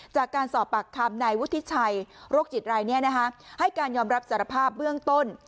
จากการสอบปากคำนายวุฒิชัยโรคจิตรายให้การยอมรับสารภาพเบื้องต้น